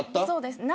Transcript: そうです。